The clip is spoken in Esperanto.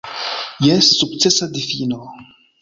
Jes, sukcesa difino.